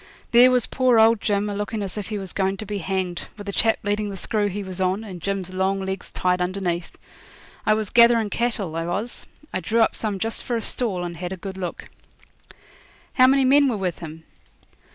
There was poor old Jim a lookin' as if he was goin' to be hanged, with a chap leading the screw he was on, and Jim's long legs tied underneath. I was gatherin' cattle, I was. I drew some up just for a stall, and had a good look.' 'How many men were with him?'